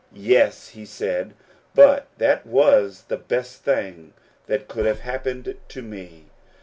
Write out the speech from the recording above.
" Yes," he said, " but that was the best thing that could have happened to me.